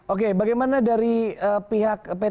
oke bagaimana dari pihak pihak yang diperkirakan